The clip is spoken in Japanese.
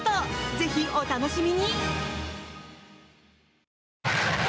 ぜひ、お楽しみに。